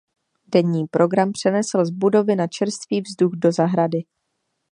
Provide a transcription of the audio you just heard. Denní program přenesl z budovy na čerstvý vzduch do zahrady.